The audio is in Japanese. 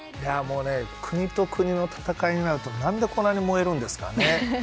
国と国の戦いになると何でこんなに燃えるんですかね。